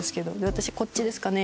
私が「こっちですかね？」